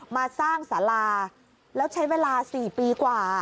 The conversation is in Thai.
มาสร้างสาราแล้วใช้เวลา๔ปีกว่า